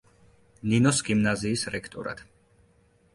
ნინოს გიმნაზიის რექტორად.